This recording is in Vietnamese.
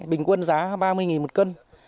bình quân giá ba mươi một cân